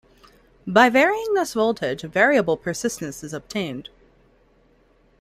By varying this voltage a variable persistence is obtained.